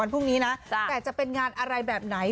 พรุ่งนี้นะแต่จะเป็นงานอะไรแบบไหน